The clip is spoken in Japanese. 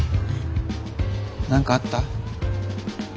何かあった？